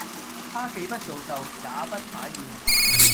她既不做壽，也不擺宴